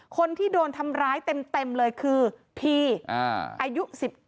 คนที่โดนทำร้ายเต็มเลยคือพีอายุ๑๙